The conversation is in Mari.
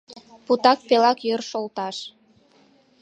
Путак пелак йӧр шолташ